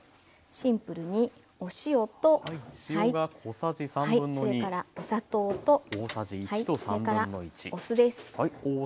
シンプルにお塩とそれからお砂糖とそれからお酢です。